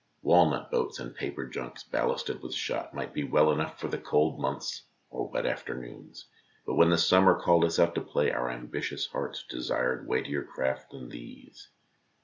Walnut boats and paper junks ballasted with shot might be well enough for the cold months or wet afternoons, but when the summer called us out to play, our ambitious hearts desired weightier craft than these.